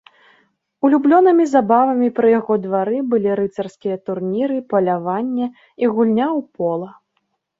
Улюблёнымі забавамі пры яго двары былі рыцарскія турніры, паляванне і гульня ў пола.